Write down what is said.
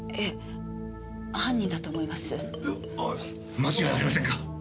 間違いありませんか？